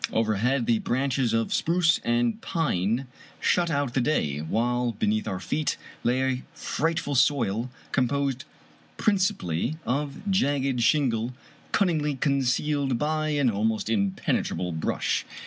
Overhead the branches of spruce and pine shut out the day, while beneath our feet lay a frightful soil, composed principally of jagged shingle, cunningly concealed by an almost impenetrable brush.